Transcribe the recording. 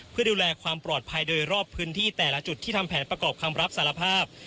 เพื่อดูแลความปลอดภัยโดยรอบพื้นที่แต่ละจุดที่ทำแผนประกอบคำรับสารภาพ